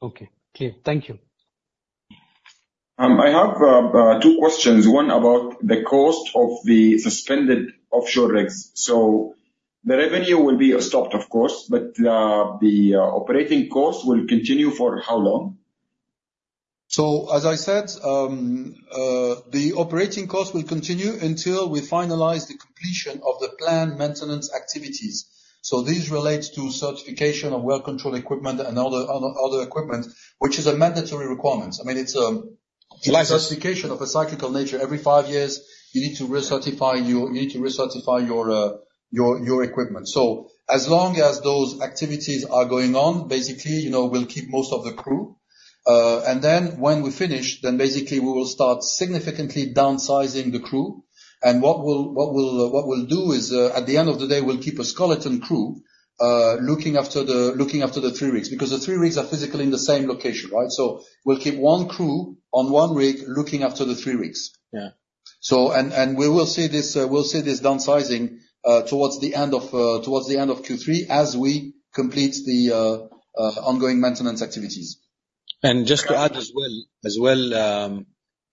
Okay. Clear. Thank you. I have two questions, one about the cost of the suspended offshore rigs. So the revenue will be stopped, of course, but the operating costs will continue for how long? So, as I said, the operating cost will continue until we finalize the completion of the planned maintenance activities. So this relates to certification of well control equipment and other equipment, which is a mandatory requirement. I mean, it's— License... certification of a cyclical nature. Every five years, you need to recertify your equipment. So as long as those activities are going on, basically, you know, we'll keep most of the crew. And then when we finish, then basically we will start significantly downsizing the crew. And what we'll do is, at the end of the day, we'll keep a skeleton crew, looking after the three rigs. Because the three rigs are physically in the same location, right? So we'll keep one crew on one rig, looking after the three rigs. Yeah. We will see this downsizing towards the end of Q3, as we complete the ongoing maintenance activities. Just to add as well,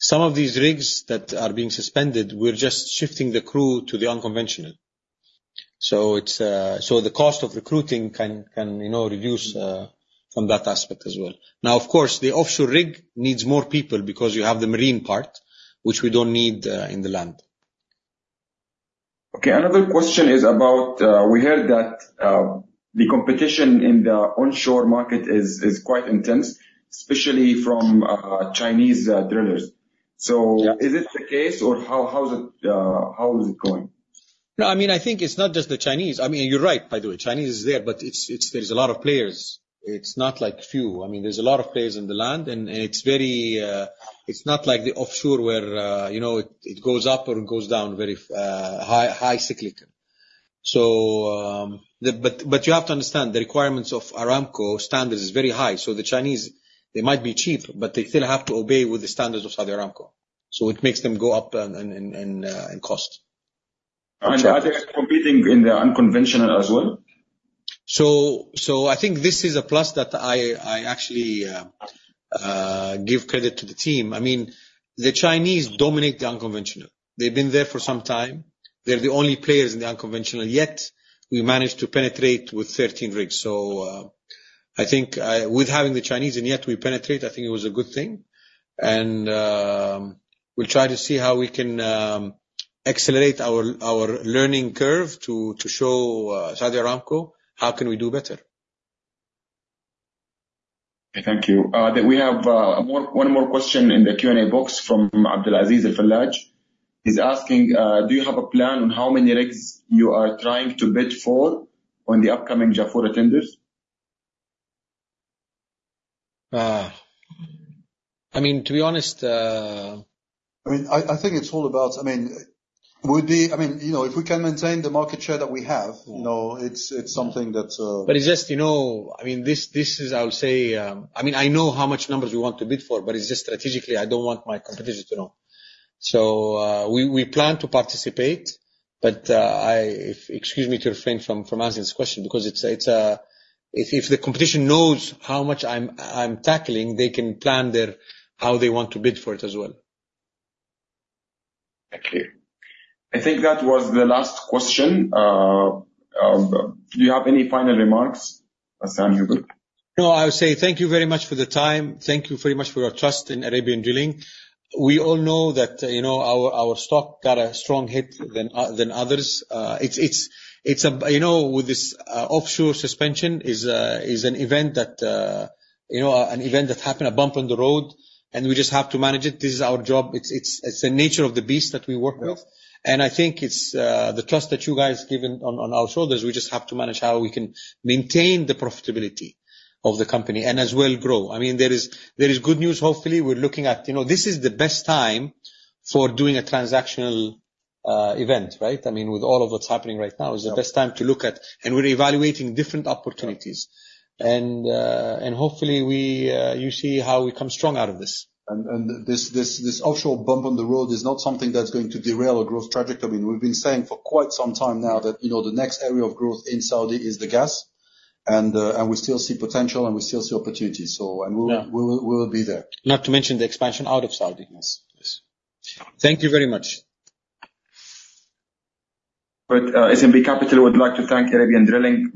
some of these rigs that are being suspended, we're just shifting the crew to the unconventional. So the cost of recruiting can, you know, reduce from that aspect as well. Now, of course, the offshore rig needs more people because you have the marine part, which we don't need in the land. Okay. Another question is about we heard that the competition in the onshore market is quite intense, especially from Chinese drillers. Yeah. So is this the case, or how, how is it, how is it going? No, I mean, I think it's not just the Chinese. I mean, you're right, by the way, Chinese is there, but it's, there's a lot of players. It's not like few. I mean, there's a lot of players in the land, and it's very, it's not like the offshore where, you know, it goes up and it goes down very high cyclical. So, But you have to understand, the requirements of Aramco standards is very high. So the Chinese, they might be cheaper, but they still have to obey with the standards of Saudi Aramco. So it makes them go up in cost. Are they competing in the unconventional as well?... So, I think this is a plus that I actually give credit to the team. I mean, the Chinese dominate the unconventional. They've been there for some time. They're the only players in the unconventional, yet we managed to penetrate with 13 rigs. So, I think with having the Chinese in, yet we penetrate, I think it was a good thing. And, we'll try to see how we can accelerate our learning curve to show Saudi Aramco how we can do better. Thank you. Then we have one more question in the Q&A box from Abdulaziz Al-Falij. He's asking, "Do you have a plan on how many rigs you are trying to bid for on the upcoming Jafurah tenders? I mean, to be honest, I mean, I think it's all about... I mean, would the-- I mean, you know, if we can maintain the market share that we have- Yeah. you know, it's something that, But it's just, you know, I mean, this, this is, I would say, I mean, I know how much numbers we want to bid for, but it's just strategically, I don't want my competition to know. So, we, we plan to participate, but, excuse me to refrain from, from answering this question, because it's, it's, if, if the competition knows how much I'm, I'm tackling, they can plan their, how they want to bid for it as well. Thank you. I think that was the last question. Do you have any final remarks, Ghassan? You go. No, I would say thank you very much for the time. Thank you very much for your trust in Arabian Drilling. We all know that, you know, our stock got a strong hit than others. It's, you know, with this offshore suspension is an event that, you know, an event that happened, a bump on the road, and we just have to manage it. This is our job. It's the nature of the beast that we work with. Yeah. I think it's the trust that you guys given on our shoulders, we just have to manage how we can maintain the profitability of the company, and as well grow. I mean, there is good news. Hopefully, we're looking at... You know, this is the best time for doing a transactional event, right? I mean, with all of what's happening right now- Yeah is the best time to look at, and we're evaluating different opportunities. Yeah. And hopefully, you see how we come strong out of this. And this offshore bump on the road is not something that's going to derail a growth trajectory. I mean, we've been saying for quite some time now that, you know, the next area of growth in Saudi is the gas, and we still see potential and we still see opportunities. So- Yeah. And we will, we will, we will be there. Not to mention the expansion out of Saudi. Yes, yes. Thank you very much. SNB Capital would like to thank Arabian Drilling-